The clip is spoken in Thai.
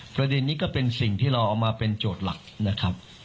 ประเด็นนี้ก็เป็นสิ่งที่เราเอามาเป็นโจทย์หลักนะครับ